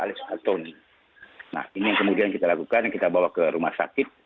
nah ini yang kemudian kita lakukan dan kita bawa ke rumah sakit